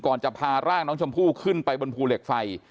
จะพาร่างน้องชมพู่ขึ้นไปบนภูเหล็กไฟ